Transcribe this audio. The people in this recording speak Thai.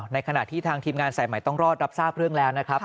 ในขณะที่ทางทีมงานสายใหม่ต้องรอดรับทราบเรื่องแล้วนะครับ